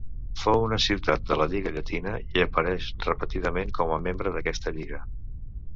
Fou una ciutat de la lliga Llatina i apareix repetidament com a membre d'aquesta lliga.